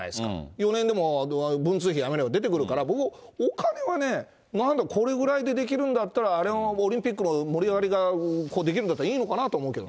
４年でも文通費やめれば出てくるから、お金はね、これだけでできるんだったらあれはオリンピックの盛り上がりができるんだったらいいのかなと思うけどね。